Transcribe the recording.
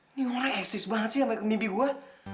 ini orang eksis banget sih sama mimpi gua